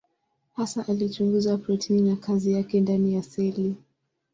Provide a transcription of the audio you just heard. Hasa alichunguza protini na kazi yake ndani ya seli.